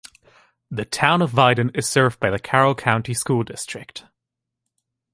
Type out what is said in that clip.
The town of Vaiden is served by the Carroll County School District.